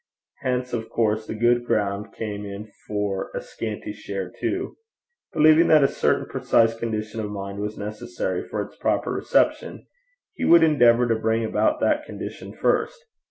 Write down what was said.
Hence of course the good ground came in for a scanty share too. Believing that a certain precise condition of mind was necessary for its proper reception, he would endeavour to bring about that condition first.